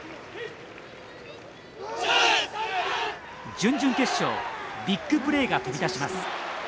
準々決勝ビッグプレーが飛び出します。